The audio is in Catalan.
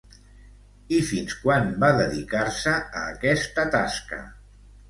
I fins quan va dedicar-se a aquesta tasca?